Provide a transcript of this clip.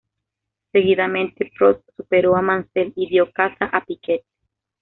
Seguidamente Prost superó a Mansell y dio caza a Piquet.